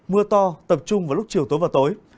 mưa to tập trung vào lúc chiều tối và tối